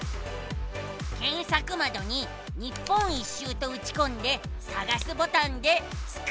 けんさくまどに日本一周とうちこんでさがすボタンでスクるのさ。